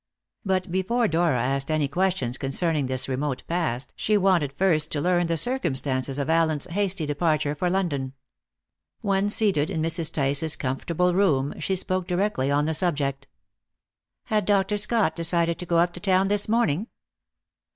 But before Dora asked any questions concerning this remote past, she wanted first to learn the circumstances of Allen's hasty departure for London. When seated in Mrs. Tice's comfortable room, she spoke directly on the subject. "Had Dr. Scott decided to go up to town this morning?"